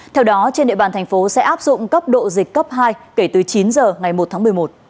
theo đó trên địa bàn tp sẽ áp dụng cấp độ dịch cấp hai kể từ chín h ngày một tháng một mươi một